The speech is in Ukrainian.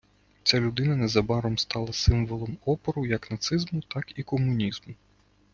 Ця людина незабаром стала символом опору як нацизму, так і комунізму.